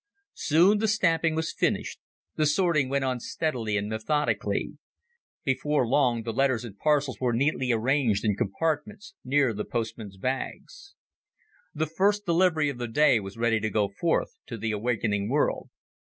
Soon the stamping was finished; the sorting went on steadily and methodically; before long the letters and parcels were neatly arranged in compartments near the postmen's bags. The first delivery of the day was ready to go forth to the awakening world.